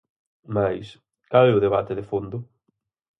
Mais, cal é o debate de fondo?